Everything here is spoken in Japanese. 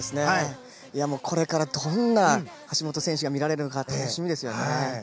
これからどんな橋本選手が見られるのか楽しみですね。